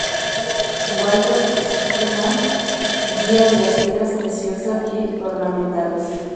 Walter Schumann "Guía de las piedras preciosa y ornamentales"